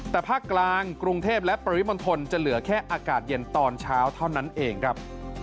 แต่ภาคกลางกรุงเทพและปริมณฑลจะเหลือแค่อากาศเย็นตอนเช้าเท่านั้นเองครับ